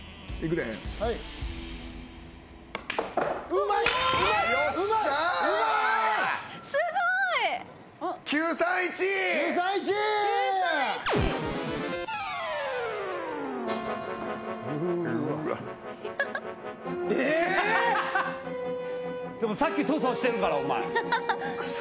でもさっき粗相してるからお前。